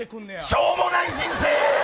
しょうもない人生。